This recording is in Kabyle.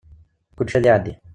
Kullec ad iɛeddi.